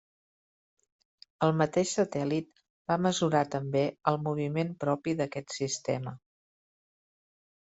El mateix satèl·lit va mesurar també el moviment propi d'aquest sistema.